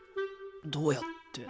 どうやって。